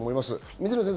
水野先生